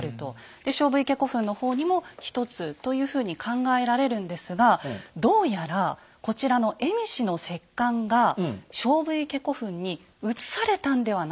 で菖蒲池古墳の方にも１つというふうに考えられるんですがどうやらこちらの蝦夷の石棺が菖蒲池古墳に移されたんではないか。